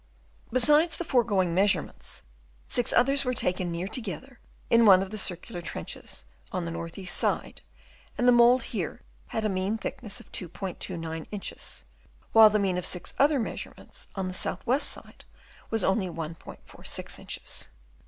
Besides the foregoing measurements, six others were taken near together in one of the circular trenches, on the north east side ; and the mould here had a mean thickness of 2*29 inches ; while the mean of six other measure ments on the south west side was only 1*46 inches.